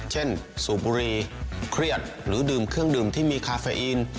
สูบบุรีเครียดหรือดื่มเครื่องดื่มที่มีคาเฟอีน